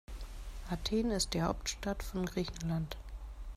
Athen ist die Hauptstadt von Griechenland.